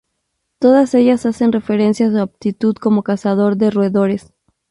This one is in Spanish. Todas ellas hacen referencia a su aptitud como cazador de roedores.